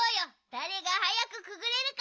だれがはやくくぐれるか。